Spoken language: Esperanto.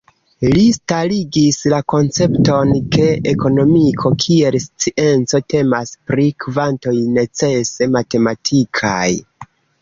Li starigis la koncepton ke ekonomiko kiel scienco temas pri kvantoj necese matematikaj.